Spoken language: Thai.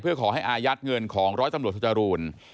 เพื่อขอให้อายัดเงินของร้อยตำรวจโทจรูล